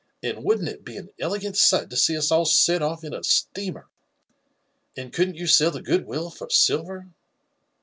and wouldn't it be an elegant sight to see us all set off in a steamer ? and couldn't you sell the good will for silver